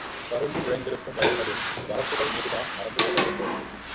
கரும்பு விளைந்திருக்கும் வயல்களின் வரப்புகள் மீதுதான் நடந்து போக வேண்டும்.